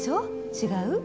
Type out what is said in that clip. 違う？